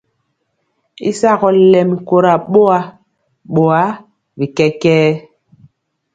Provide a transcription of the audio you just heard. Y sagɔ lɛmi kora boa, boa bi kɛkɛɛ.